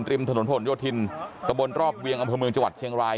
ริมถนนผลโยธินตะบนรอบเวียงอำเภอเมืองจังหวัดเชียงราย